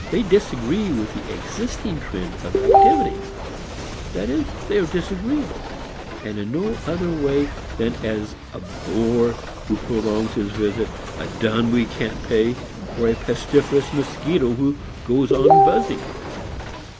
They disagree with the existing trend of activity, that is, they are disagreeable, and in no other way than as a bore who prolongs his visit, a dun we can't pay, or a pestiferous mosquito who goes on buzzing.